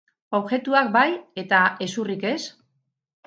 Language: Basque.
Objektuak bai, eta hezurrik ez?